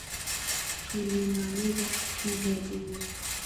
Tulimaliza kupiga dua.